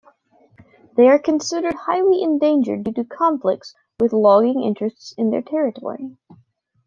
They are considered highly endangered due to conflicts with logging interests in their territory.